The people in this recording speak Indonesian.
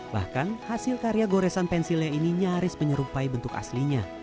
bahkan hasil karya goresan pensilnya ini nyaris menyerupai bentuk aslinya